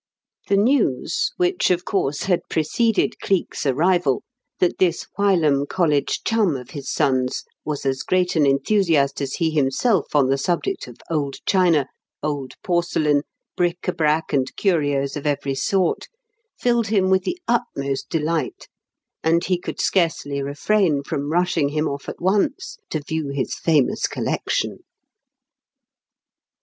The news, which, of course, had preceded Cleek's arrival, that this whilom college chum of his son's was as great an enthusiast as he himself on the subject of old china, old porcelain, bric à brac and curios of every sort, filled him with the utmost delight, and he could scarcely refrain from rushing him off at once to view his famous collection.